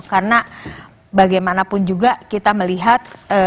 karena bagaimanapun juga kita melihat